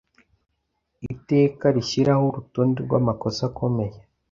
iteka rishyiraho urutonde rw’amakosa akomeye